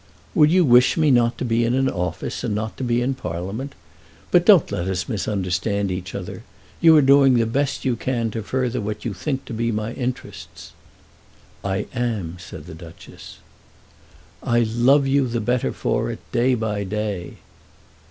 "Would you wish me not to be in an office, and not to be in Parliament? But don't let us misunderstand each other. You are doing the best you can to further what you think to be my interests." "I am," said the Duchess. "I love you the better for it, day by day."